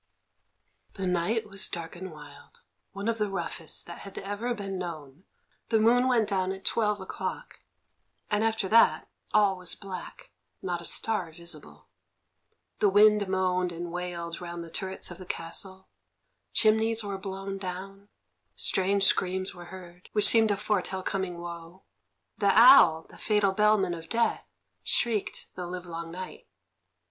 That night was dark and wild, one of the roughest that had ever been known. The moon went down at twelve o'clock, and after that all was black, not a star visible. The wind moaned and wailed round the turrets of the castle, chimneys were blown down, strange screams were heard, which seemed to foretell coming woe; the owl, the fatal bellman of death, shrieked the livelong night.